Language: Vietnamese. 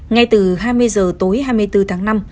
ngay từ hai mươi h tối hai mươi bốn tháng năm